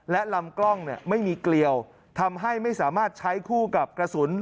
และลำกล้องไม่มีเกลียวทำให้ไม่สามารถใช้คู่กับกระสุน